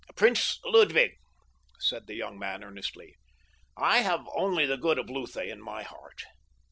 "Prince Ludwig," said the young man earnestly, "I have only the good of Lutha in my heart.